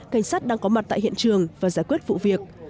cảnh sát đang có mặt tại hiện trường và giải quyết vụ việc